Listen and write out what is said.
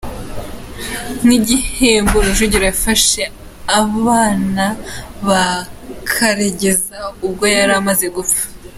Nk’igihembo, Rujugiro yafashe abana ba Karegesa ubwo yari amaze gupfa.